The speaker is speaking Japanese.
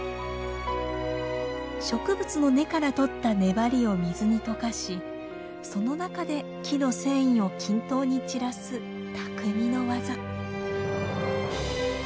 植物の根から取った粘りを水に溶かしその中で木の繊維を均等に散らす匠の技。